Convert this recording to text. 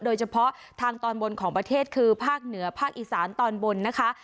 โดยเฉพาะทางตอนบนของประเทศคือภาคเหนือภาคอีสานตอนบนนะคะ